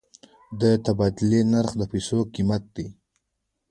د تبادلې نرخ د پیسو قیمت دی.